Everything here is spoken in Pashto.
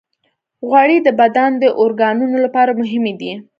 غوړې د بدن د اورګانونو لپاره مهمې دي.